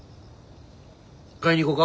買いに行こか？